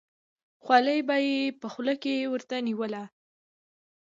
خولۍ به یې په خوله کې ورته ونیوله.